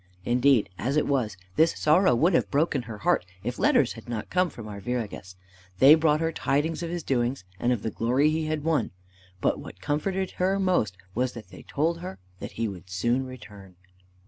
Indeed, as it was, this sorrow would have broken her heart, if letters had not come from Arviragus. They brought her tidings of his doings, and of the glory he had won. But what comforted her most was that they told her that he would soon return.